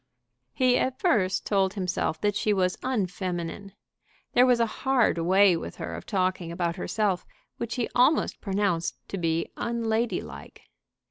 He at first told himself that she was unfeminine. There was a hard way with her of talking about herself which he almost pronounced to be unladylike.